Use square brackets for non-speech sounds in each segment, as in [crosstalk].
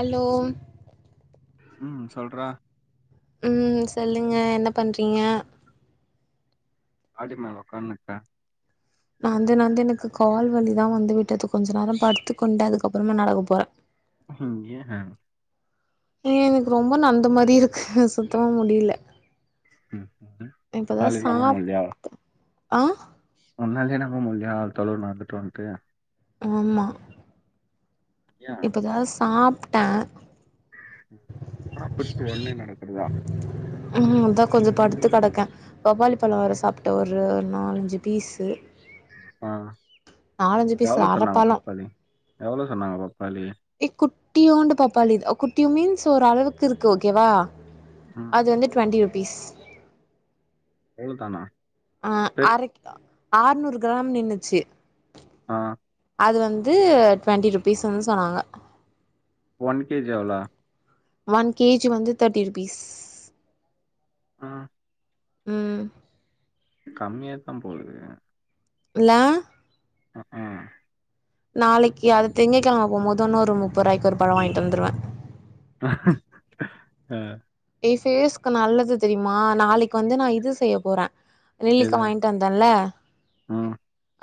Alone ம் சொல்றா ம் சொல்லுங்க என்ன பண்றீங்க [inaudible] மாடி மேல உக்காண்ணுகிட்டே நந்து நந்து எனக்கு கால்வலி தா வந்து விட்டது கொஞ்ச நேர படுத்துக் கொண்டு அதுக்கப்றமா நடக்க போறே உஹ்ம் ஏ ஏ எனக்கு ரொம்ப நந்த மாரி இருக்கு சுத்தமா முடியில ம் இப்பதா உன்னாலயே நம்ப சாப் ஆ முன்னாலே நம்ப முல்லையா ஆ தொளோர் நடந்துட்டு வந்துட்டு ஆமா ஏ இப்பதா சாப்ட்ட அப்பத்து ஒடனே நடக்குறதா அதா கொஞ்சோ படுத்து கிடக்கே பபாளி பழோ வர சாப்ட்ட ஒரு நாலஞ்சு பீஸு ஆ நாலஞ்சு பீஸ் எவளோ சொன்னாங்க அரப்பழோ பப்பாளி எவளோ சொன்னாங்க பப்பாளி ஏ குட்டியோண்டு பாப்பாளி குட்டியு மீன்ஸ் ஒரு அளவுக்கு இருக்கு ஓகேவா ம் அது வந்து டுவெண்ட்டி ருபீஸ் ஏல்தானா அ அரைக் ஆறுநூறு கிராம் நின்னுச்சு ஆ அது வந்து ட்வெண்ட்டி ருப்பீஸ்ன்னு சொன்னாங்க ஒன் கேஜி எவளோ ஒன் கேஜி வந்து தேட்டி ருபீஸ் ஆ ஆ கம்மியாதா போலுது இலா ஆ ஆ நாளைக்கு அது திங்ககிழமை போபோது இன்னொரு முப்ப ரூாபாய்க்கு ஒரு பழ வாங்கிட்டு வந்துடுவே அ ஏ பேஸ்க்கு நல்லது தெரியுமா நாளைக்கு வந்து நான் இது செய்ய போறே நெல்லிக்கா எது வாங்கிட்டு வந்தேன்ல ம்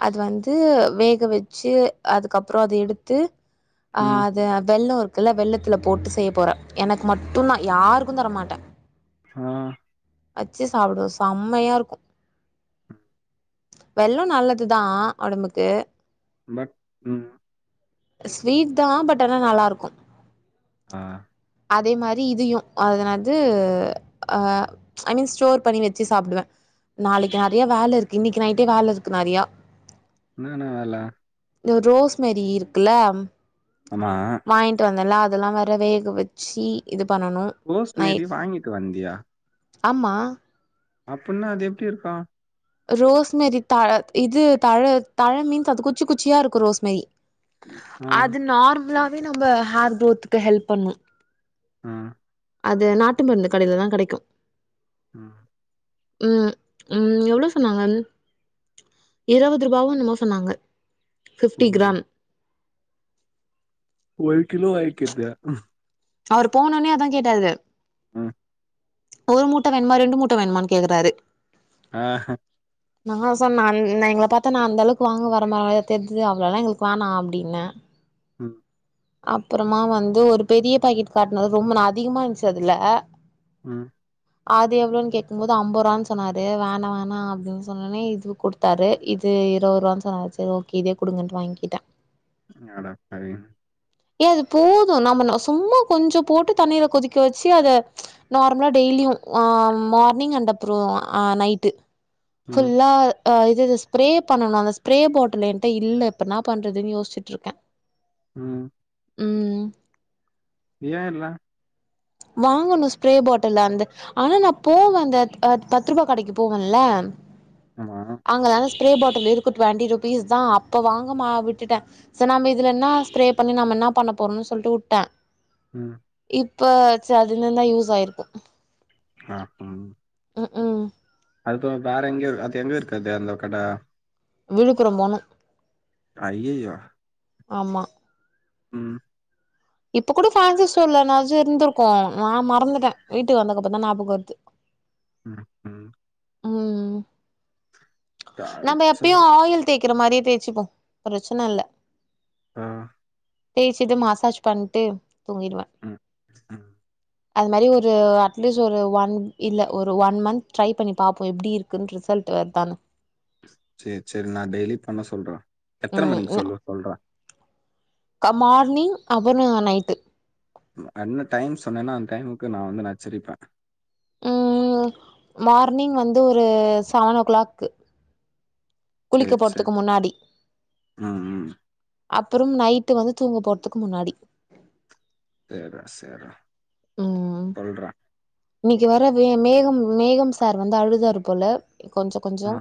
அது வந்து வேக வச்சு அதுக்கப்பறோ அத எடுத்து அ ம் அது வெல்லோ இருக்குல்ல வெல்லத்துல போட்டு செய்ய போறே எனக்கு மட்டுதா யாருக்கு தரமாட்டே அ வச்சு சாப்டுவோ செம்மையா இருக்கு ஆஹம் வெல்லோ நல்லது தா ஒடம்புக்கு பட் ம் ஸ்வீட் தா பட் ஆனா நல்லா இருக்கு அ அதே மாரி இதையு அதனது அ ஐ மீன் ஸ்டோர் பண்ணி வச்சு சாப்டுவே நாளைக்கு நெறைய வேல இருக்கு இன்னைக்கு நைட்டே வேல இருக்கு நெறைய என்னன்ன வேல ரோஸ்மரி இருக்குல ஆமா வாங்கிட்டு வந்தேல அதெல்லா வேற வேக வச்சு இது பண்ணணு ரோஸ் மேரி வாங்கிட்டு வந்தியா ஆமா அப்டின்னா அது எப்படி இருக்கு ரோஸ்மரி த இது தழ தழ மீன்ஸ் அது குச்சி குச்சியா இருக்கு ரோஸ்மெரி அது நார்மலாவே நம்ம ஹேர் குரோத்துக்கு ஹெல்ப் பண்ணு ம் அது நாட்டு மருந்து கடையில தா கெடைக்கு ம் ம் ம் எவ்ளோ சொன்னாங்கன் இருவது ரூபா என்னமோ சொன்னாங்க ஓ பிப்டி கிராம் ஒரு கிலோ [unintelligible] அவரு போன ஒன்னே அதா கேட்டாரு ம் ஒரு மூட்ட வேன்மா ரண்டு மூட்ட வேன்மான்னு கேக்குறாரு அ ஹ நா சொன்ன நா அ எங்கள பாத்தா நா அந்தளவுக்கு வாங்க வர மாரியா தெர்து அவ்ளோல்லா எங்களுக்கு வேணா அப்டின்னே ம் அப்றமா வந்து ஒரு பெரிய பாக்கெட் காட்னது ரொம்போ ந அதிகமா இருந்துச்சு அதுல ம் அது எவ்வளோன் கேக்குபோது ஐம்பது ரூபான்னு சொன்னாரு வேணா வேணா அப்டின்னு சொன்ன ஒன்னே இது குடுத் குடுத்தாரு இது இருவரூபான்னு சொன்னாரு செரி ஓகே இதே குடுங்கன்ட்டு வாங்கிட்டே அட பாவிங்ளா ஏ அது போது நம்ம சும்மா கொஞ்சோ போட்டு தண்ணீல கொதிக்க வெச்சு அத நார்மலா டெய்லியு அ மார்னிங் அண்டு அப்றோ நைட்டு ம் ஃபுல்லா ஆ இது இது ஸ்ப்ரே பண்ணணு அந்த ஸ்பரே பாட்டில் என்ட்ட இல்ல இப்போ இன்னா பண்ணுறதுன்னு யோசிச்சுட்டுருக்கே ம் ம் ஏ இல்ல வாங்கணு ஸ்ப்ரே பாட்டில் அந்த ஆனா நா போவே அந்த பத்து ரூவா கடைக்கு போவேன்ல ஆமா அங்கதாங்க ஸ்ப்ரே பாட்டில் இருக்கு ட்வெண்ட்டி ருப்பீஸ் தா அப்போ வாங்கமா விட்டுட்டே செர் நம்ம இதுல ன்னா ஸ்ப்ரே பண்ணி நம்ம என்னா பண்ண போறோம்னு சொல்லிட்டு உட்டே ம் இப்ப செர் அதுயிருதுந்தா யூஸ் ஆயிருக்கு ஆ ஹும் ம் ம் அடுத்து வேற எங்க அது எங்கு இருக்கு அந்த கட விழுப்புரோ போணு ஐய்யய்யோ ஆமா ம் இப்ப கூட ஃபேன்சிஸ்டோர்ல எதுனாச்சு இருந்திருக்கு நா மறந்துட்டே வீட்டுக்கு வந்ததுக்கப்றோ தா ஞாபகோ வருது ம் ம் ம் நம்ப எப்பயு டார்ச்சர் ஆயில் தேக்கிற மாரியே தேச்சுப்போ ப்ரச்சன இல்ல ஆ தேய்ச்சுட்டு மசாஜ் பண்ட்டு தூங்கிடுவே ம் ம் அதுமாரி ஒரு அட்லீஸ்ட் ஒரு ஒன் இல்ல ஒரு ஒன் மந்த் ட்ரை பண்ணி பாப்போ எப்டிருக்கு குன் ரிசல்ட் வர்தானு செர் செர் நா டெய்லி பண்ண சொல்றே எத்தன மணிக்கு ம் சொல்லு சொல்றே க மார்னிங் அபற்னா நைட்டு என்ன டைம் சொன்னேன்னா அந்த டைமுக்கு நா வந்து நச்சரிப்பே ம் மார்னிங் வந்து ஒரு செவன் ஓ கிளாக்கு குளிக்க சேரி சேரி போறதுக்கு முன்னாடி ம் ம் அப்புறம் நைட்டு வந்து தூங்க போறதுக்கு முன்னாடி சேர்ரா சேரா ம் சொல்றா இன்னைக்கு வர மேகம் மேகம் சார் வந்து அழுதார் போல கொஞ்சோ கொஞ்சோ ஆ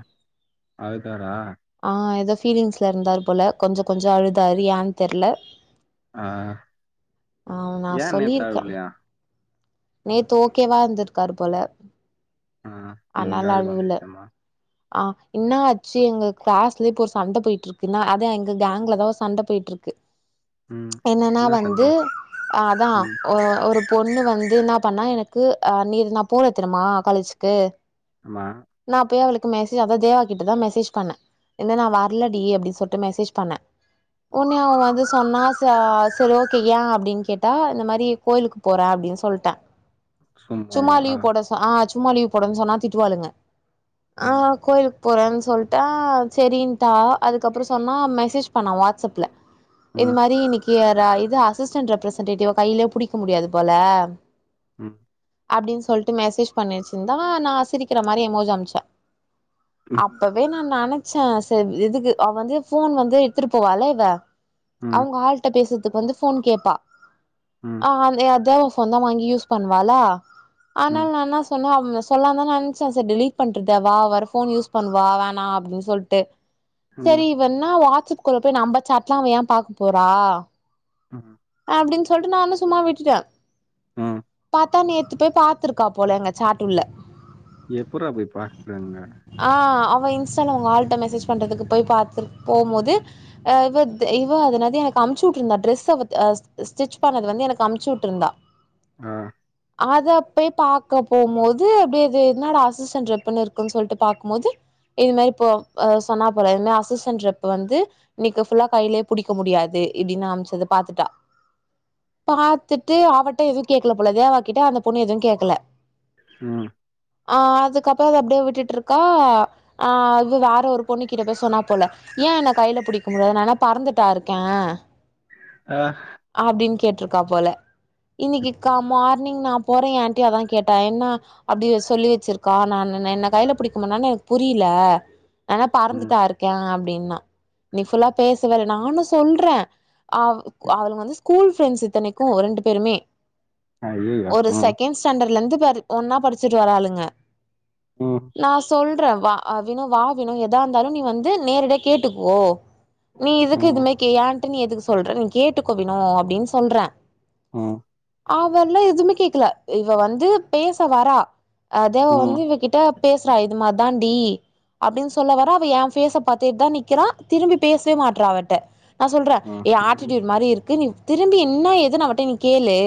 அழுதாரா ஆ ஏதோ ஃபீலிங்ஸ்ல இருந்தாரு போல கொஞ்சோ கொஞ்சோ அழுதாரு யான்னு தெரியல ஆ ஆ நா ஏன் நேத்து சொல்லிருக்கே அழுவலையா நேத்து ஓகேவா இருந்திருக்காரு போல ஆ இன்னைக்கு ஆனால அழுக அழுவுல வந்துச்சம்மா ஆ இன்னா ம் சீ எங்க கிளாஸ்லயே இப்போ ஒரு சண்ட போயிட்டு இருக்குன்னா அதான் எங்க கேங்க்ல தா ஒரு சண்ட போயிட்டுருக்கு ம் என்னன்னா என்ன சண்ட வந்து அதான் ம் ஒரு பொண்ணு வந்து என்னா பண்ணா எனக்கு ஆ நீர் நா போனே தெரியுமா காலேஜ்க்கு ஆமா நான் போய் அவளுக்கு மெசேஜ் அத தேவா கிட்ட தா மெசேஜ் பண்ணே என்ன நா வரலடி அப்டின்னு சொல்லிட்டு மெசேஜ் பண்ணே ம் உன்னே அவ வதுஸ் சொன்னா ச செலவோ கைய ஏ அப்டின்னு கேட்டா இந்த மாரி கோயிலுக்கு போற அப்டின்னு சொல்ட்ட சும்மா சும்மாவா லீவு போட ஸ் ஆ சும்மா லீவு போடன்னு சொன்னா திட்டுவாளுங்க ஆ ம் கோயில் போறன் சொல்ட்டா செரின்ட்டா அதுக்கப்புறோ சொன்னா மெசேஜ் பண்ணா வாட்ஸ்அப்ல இது ம் மாரி இன்னைக்கு இது அசிஸ்டன் ரெப்ரசென்டேட்டிவ கையிலயே புடிக்க முடியாது போல ம் அப்டின் சொல்லிட்டு மெசேஜ் பண்ணி வச்சிருந்தா நா சிரிக்கற மாரி எமோஜ் அம்ச்ச ம் அப்பவே நா நன ச்ச சரி இதுக்கு அவ வந்து ஃபோன் வந்து எத்துரு போவல இவ ம் அவுங்க ஆ பேசறதுக்கு வந்து ஃபோன் கேப்பா ம் அ தே தேவா ஃபோன் தா வாங்கி யூஸ் பண்ணுவாலா ஆனால் ம் ந சொன்னா சொல்லா தா நனச்ச ச டெலிட் பண்றத வா வர ஃபோன் யூஸ் பண்ணுவ வா வேணா அப்டின் சொல்ட்டு ம் செரி இவ என்னா வாட்ஸ் அப்க்குள்ள போய் நம்ம சாட்ல்லா அவ ஏ பாக்க போறா ம் அப்டின்னு சொல்ட்டு நானு சம்மா விட்டுட்ட ம் பாத்தா நேத்து போய் பாத்துருக்கா போல எங்க சாட்டுள்ள எப்புரா போய் பாக்குறாங்க ஆ அவ இன்ஸ்டால உங்க ஆள்ட்ட மெசேஜ் பண்றதுக்கு போய் பாத்து போம்போது அ இவ த இவ அது என்னது எனக்கு அம்ச்சு உட்டுருந்தா ட்ரெஸ அவ அவ ஸ்டிச் பண்ணது வந்து எனக்கு அமுச்சு உட்ருந்தா அ அத போய் பாக்க போம்போது அப்டியே இது என்னாடா அசிஸ்டன்ட் ரெப்புன் இருக்குன் சொல்ட்டு பாக்கும்போது இது மாரி போ அ சொன்னா போல இது மாரி அசிஸ்டன்ட் ரெப் வந்து இன்னைக்கு ஃபுல்லா கையிலயே புடிக்க முடியாது இப்டின்னு அம்ச்சத பாத்துட்டா பாத்துட்டு அவட்ட எதுவு கேக்கல போல தேவா கிட்ட அந்த பொண்ணு எது கேக்கல ம் ஆ அதுக்கப்புறோ அத அப்டியே விட்டுட்ருக்கா ஆ அது வேற ஒரு பொண்ணு கிட்ட போய் சொன்னா போல ஏ என்ன கையில புடிக்க முடில நா என்னா பறந்துட்டா இருக்க ஆ அப்டின்னு கேட்ருக்கா போல இன்னைக்கி மார்னிங் நா போற ஏன்டயு அதா கேட்டா என்ன அப்டி சொல்லி வச்சிருக்கா நா என்ன கையில புடிக்கு முன்னா எனக்கு புரியல நா என்னா ம் பறந்துட்டா இருக்கே அப்டின்னா இன்னைக் ஃபுல்லா பேசவே இல்ல நானு சொல்ற அவ் அவுளுங்க வந்து ஸ்கூல் ஃப்ரெண்ட்ஸ் இத்தனைக்கு ரெண்டு பேருமே ஐயையோ ஒரு ம் செகண்ட் ஸ்டாண்டர்ட்ல இருந்து பாருஒன்னா படிச்சுட்டு வராளுங்க ம் நா சொல்ற அ வினோ வா வினோ எதா இருந்தாலு நீ வந்து நேரடிய கேட்டுக்கோ நீ எதுக்கு ம் இதும கே என்ட்ட நீ எதுக்கு சொல்ற நீ கேட்டுக்கோ வினோ அப்டின்னு சொல்ற ம் அவில்ல எதுவுமே கேக்கல இவ வந்து பேச வரா அ தேவ வந்து ம் இவ கிட் ட பேசறா இது மார்தான்டி அப்டின்னு சொல்ல வர அவ எ ஃபேச பாத்தட்டு தா நிக்கறா திரும்பி பேசவே மாட்றா அவள்ட்ட நா சொல்ற ம் ஏ ம் ஆட்டிடியூட் மாரி இருக்கு நீ திரும்பி என்ன ஏதுன் அவட்ட நீ கேளு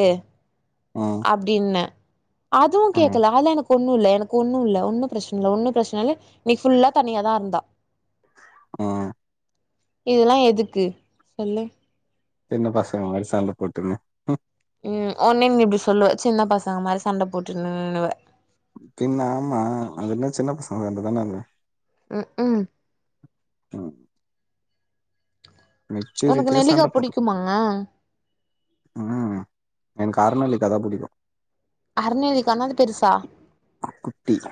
ம் அப்டின்ன அதுவும் கேக்கல அதுல எனக்கு ஒரு ஒன்னு இல்ல எனக்கு ஒன்னும் இல்ல ஒன்னும் பிரஷ்ன இல்ல ஒன்னு பிரஷ்ன இல்ல இன்னிக் ஃபுல்லா தனியா தா இருந்தா ஆ இதெல்லா எதுக்கு சொல்லு சின்ன பசங்க மாரி சண்ட போட்டுங்க ம் ஒன்னே நீ இப்டி சொல்லுவ சின்ன பசங்க மாரி சண்ட போட்டுன்னுவ பின்ன ஆமா அது என்ன சின்ன பசங்கந்து தான அது ம் ம் ம் உனக்கு மெச்சூரிட்டியா நெல்லிக்கா சண்ட போட்டுக் புடிக்குமா ம் ம் எனக்கு அர நெல்லிக்கா தா புடிக்கும் அர நெல்லிக்கானா அந்த பெருசா நா குத்திற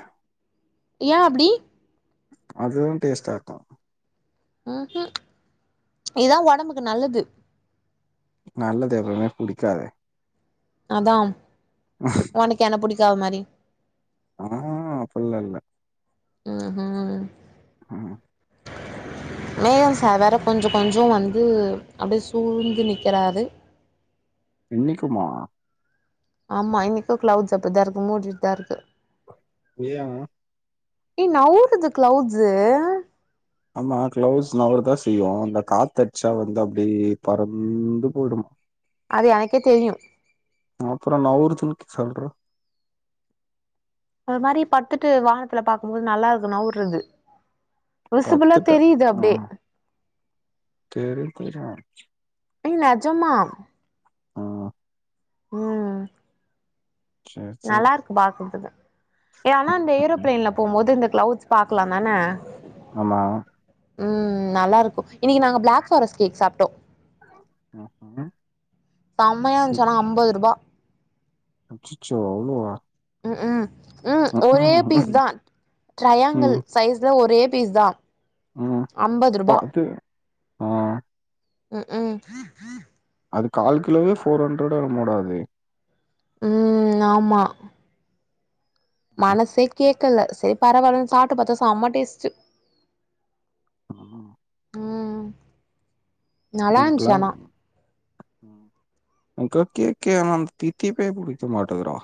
ஏன் அப்டி அதுதா டேஸ்ட்டாருக்கும் ம் ம் இதா ஒடம்புக்கு நல்லது நல்லது எப்பவுமே புடிக்காதே அதாம் ஒனக்கு என்ன புடிக்காத மாரி அ ஆ ஆ ஃபுல்லா இல்ல ம் ம் ஆமா மேகம் சார் வேற கொஞ்சோ கொஞ்சோ வந்து அப்டியே சூழ்ந்து நிக்கறாரு இன்னிக்குமா ஆமா இன்னிக்கு கிளவுட்ஸ் அப்டி தா இருக்கு மூடிட்தா இருக்கு ஏன் எ நவுருது கிளவுட்ஸ்ஸு ஆமா கிளவுட்ஸ் நவர தா செய்யோ இந்த காத்தடிச்சா வந்து அப்டியே பறந்து போய்டுமா அது எனக்கே தெரியும் அப்றோ நவுருதுன் சொல்ற ஒரு மாரி பத்துட்டு வானத்துல பாக்கும்போது நல்லாருக்கு நவ்ருது விசிபல்லா பத்துட்ட தெரியுது அப்டே தெர்யோ தெர்யோ ம் நெஜமா ஆ ஆ சேரி சேரி நல்லாருக்கு பாக்கற்துக்கு ஏன்னா ம் அந்த ம். ஏரோப்பிளேன்ல போம்மோது இந்த கிளவுட்ஸ் பாக்கலாம் தான ஆமா ம் நல்லாருக்கும் இன்னிக்கி நாங்க பிளேக் ஃபாரஸ் கேக் சாப்ட்டோ ம் ம் செம்மயா இருந்ச்சு ஆனா அம்பது ரூபா அச்சிச்சோ அவ்ளோவா ம் ம் ம் ஒரே பீஸ் தா ட்ரையாங்கல் ம் சைஸ்ல ஒரே பீஸ் தா ம் அம்பது ருபா பாத்து ஆ ம் ம் அது கால் கிலோவே ஃபோர் ஹண்ட்ரோடோ என் மோடா அது ம் ஆமா மனசே கேக்கல செரி பரவால்லன் சாப்ட்டு பாத்தா செம்ம டேஸ்ட்டு ம் ம் நல்லா இது இருந்துச்சு பிளேன் ஆனா என்கு கேக்கே ஆனா வந்து தித்திப்பே புடிக்க மாட்டேதுறா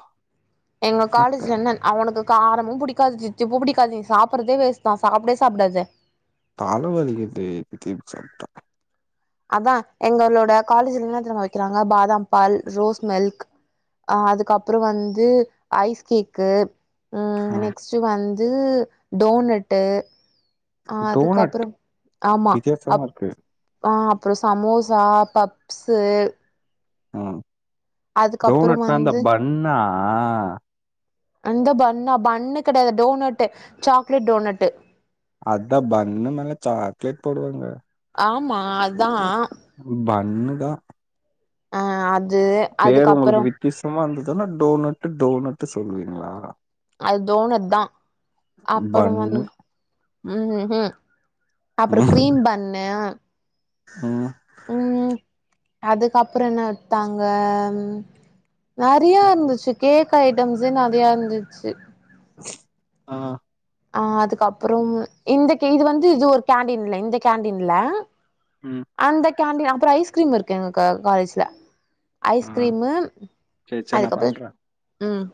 எங்க காலேஜ்ல என்னன் அவனுக்கு காரமு புடிக்காது தித்திப்பு புடிக்காது நீ சாப்பறதே வேஸ்ட்தா சாப்புடவே சாப்டாத தல வலிக்கிது தித்திப்பு சாப்ட்டா அதா எங்களோட காலேஜ்ல என்ன தெரிமா வெக்கிறாங்க பாதாம் பால் ரோஸ் மில்க் ஆ அதுக்கப்புற வந்து ஐஸ் கேக்கு ஆ சோ வந்து டோனட்டு ஆ டோனட் அதுக்கப்புறோ ஆமா வித்தியாசமா இருக்கு. ஆ அப்பறோ சமோசா பப்ஸு ம் அதுக்கப்புறோ டோனட்னா அந்த வந்து பன்னா அந்த பன்னா பன்னு கெடையாது டோனட்டு சாக்லேட் டோனட்டு அதா பன்னு மேல சாக்லேட் போடுவாங்க ஆமா அதா பன்னுதா ஆ அது பேரு அதுக்கப்புறோ உங்களுக்கு வித்தியசமா இருந்ததுன்னா டோனட்டு டோனட்டு சொல்விங்ளா அது டோணட்தா அப்பற வந் பன்னு ம் ஹு அப்பற கிரீம் ம் பண்ணு ம் ம் அதுக்கப்பற என்ன வித்தாங்க நெறையா இருந்துச்சு கேக் ஐட்டம்ஸே நெறையா இருந்துச்சு ஆ ஆ அதுக்கப்றம் இந்த க இது வந்து இது ஒரு கேண்டீன்ல இந்த கேண்டீன்ல ம் அந்த கேண்டீன் அப்பற ஐஸ்கிரீம் இருக்கு எங்க கா காலேஜ்ல ஆ ஐஸ்கிரீமு சரி சரி நான் அதுக்கப்பற பண்றேன். ம்